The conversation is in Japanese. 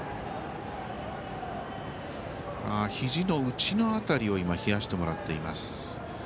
ひじの内の辺りを冷やしてもらっています。